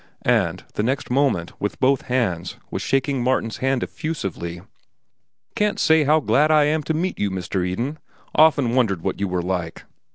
and the next moment, with both hands, was shaking Martin's hand effusively. "Can't say how glad I am to see you, Mr. Eden. Often wondered what you were like."